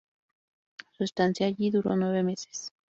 Su estancia allí duró nueve meses.